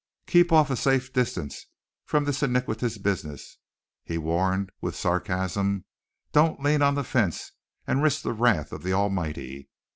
Keep off a safe distance from this iniquitous business, he warned with sarcasm; don't lean on the fence and risk the wrath of the Almighty.